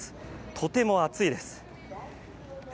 とても暑いです。